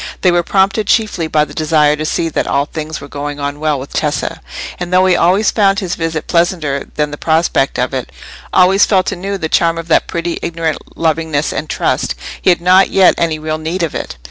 They were prompted chiefly by the desire to see that all things were going on well with Tessa; and though he always found his visit pleasanter than the prospect of it—always felt anew the charm of that pretty ignorant lovingness and trust—he had not yet any real need of it.